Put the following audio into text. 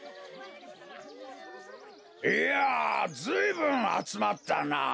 いやずいぶんあつまったなあ。